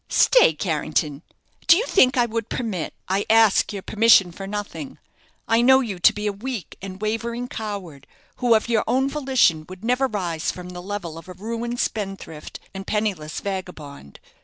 "Stay, Carrington, do you think I would permit ?" "I ask your permission for nothing: I know you to be a weak and wavering coward, who of your own volition would never rise from the level of a ruined spendthrift and penniless vagabond.